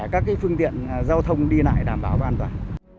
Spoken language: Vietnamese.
các phương tiện giao thông đi lại đảm bảo an toàn